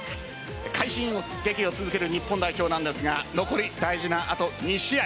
快進撃を続ける日本代表なんですが残り、大事なあと２試合。